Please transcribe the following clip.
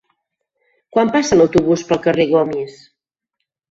Quan passa l'autobús pel carrer Gomis?